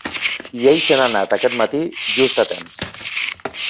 I ell se n’ha anat aquest matí, just a temps.